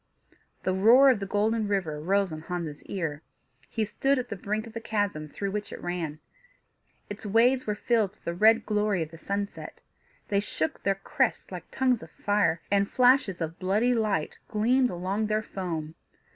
The roar of the Golden River rose on Hans's ear. He stood at the brink of the chasm through which it ran. Its waves were filled with the red glory of the sunset: they shook their crests like tongues of fire, and flashes of bloody light gleamed along their foam.